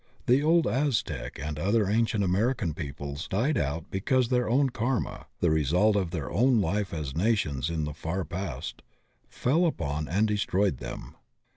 Hie old Aztec and other ancient American peoples died out because their own karma — ^the result of tfieir own life as nations in the far past — ^fell upon and destroyed them.